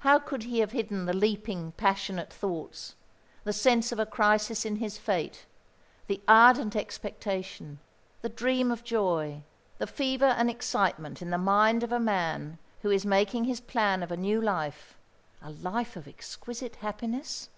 How could he have hidden the leaping, passionate thoughts, the sense of a crisis in his fate, the ardent expectation, the dream of joy, the fever and excitement in the mind of a man who is making his plan of a new life, a life of exquisite happiness?